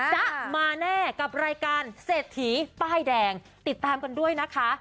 จะมาแน่กับรายการเศรษฐีป้ายแดงติดตามกันด้วยนะคะ